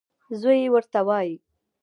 زوی یې ورته وايي: